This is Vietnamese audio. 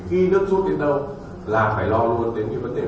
cung cấp điện đóng điện trở lại là yêu cầu người dân lực đồng chí quan tâm